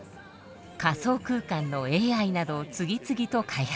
仮想空間のＡＩなど次々と開発。